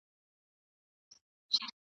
دوو وروڼو جنګ وکړ، کم عقلو باور په وکړ !.